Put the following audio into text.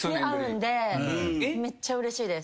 めっちゃうれしいです。